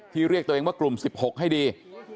เรียกตัวเองว่ากลุ่ม๑๖ให้ดี